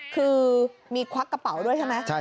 คือมีควักกระเป๋าด้วยใช่ไหม